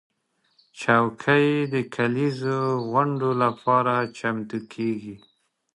چوکۍ د کليزو غونډو لپاره چمتو کېږي.